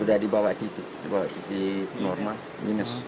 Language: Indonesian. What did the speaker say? sudah di bawah titik normal minus